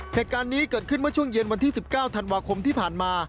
เหตุการณ์นี้เกิดขึ้นเมื่อช่วงเย็นวันที่๑๙ธันวาคมที่ผ่านมา